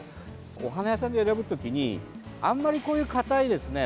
お花屋さんで選ぶときにあんまりこういう硬いですね